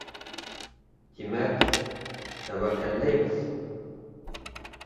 Тимәк, тәүәкәлләйбеҙ.